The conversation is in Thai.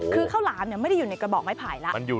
คือข้าวหลามไม่ได้อยู่ในกระบอกไม้ไผ่แล้ว